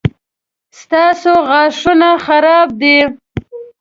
ستاسو غاښونه خراب دي